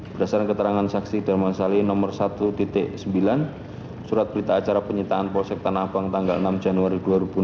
berdasarkan keterangan saksi derman salin nomor satu sembilan surat berita acara penyitaan posec tanah apang tanggal enam januari dua ribu enam belas